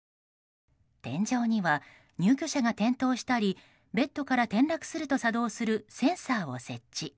天井には入居者が転倒したりベッドから転落すると作動するセンサーを設置。